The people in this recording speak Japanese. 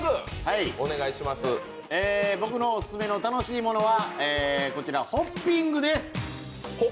僕のオススメの楽しいものはこちらホッピングです。